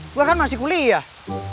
gua kan masih kuliah